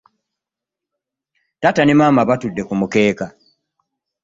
Taata ne Maama batudde ku mukeeka.